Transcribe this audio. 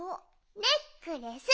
ネックレス！